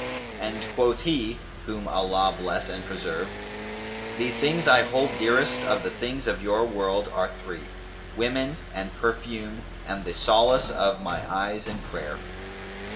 And quoth he (whom Allah bless and preserve!), 'The things I hold dearest of the things of your world are three: women and perfume and the solace of my eyes in prayer.'